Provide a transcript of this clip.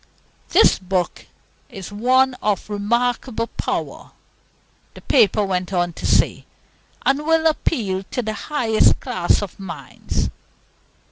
"This book is one of remarkable power," the paper went on to say, "and will appeal to the highest class of minds.